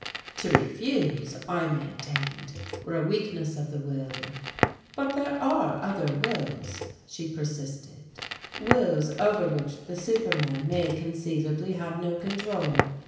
To refuse, I maintained, were a weakness of the will. "But there are other wills," she persisted, "wills over which the superman may conceivably have no control.